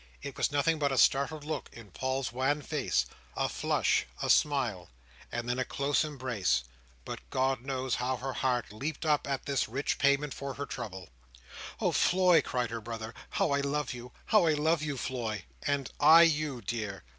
It was nothing but a startled look in Paul's wan face—a flush—a smile—and then a close embrace—but God knows how her heart leapt up at this rich payment for her trouble. "Oh, Floy!" cried her brother, "how I love you! How I love you, Floy!" "And I you, dear!"